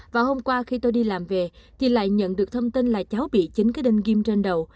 và hôm qua khi tôi đi làm về thì lại nhận được thông tin là cháu bị chín cái đinh ghim trên đầu